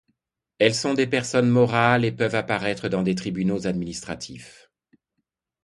Elles sont des personnes morales et peuvent apparaître dans des tribunaux administratifs.